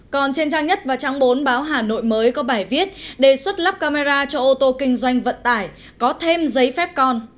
còn trên trang nhất và trang bốn báo hà nội mới có bài viết đề xuất lắp camera cho ô tô kinh doanh vận tải có thêm giấy phép con